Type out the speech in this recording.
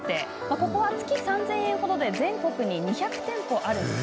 ここは月３０００円程で全国に２００店舗ある店。